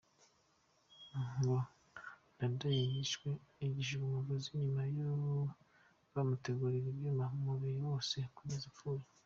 Ngo Ndadaye yishwe anigishijwe umugozi nyuma bamuteragura ibyuma umubiri wose kugeza apfuye.